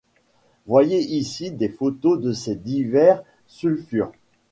Voyez ici des photos de ces divers sulfures.